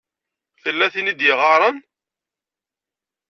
Tella tin i d-iɣaṛen.